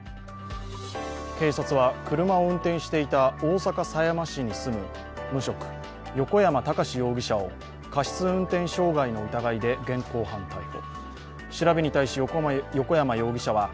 警察は車を運転していた大阪狭山市に住む無職横山孝容疑者を過失運転傷害の疑いで現行犯逮捕。